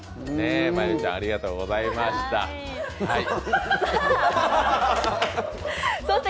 真悠ちゃん、ありがとうございました。